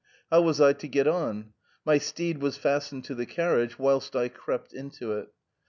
How was I to get on ? My steed was fastened to the carriage, whilst I crept into it.